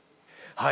はい！